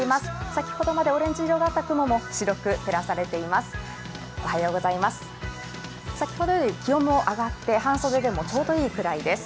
先ほどまでオレンジ色だった雲も白く照らされています。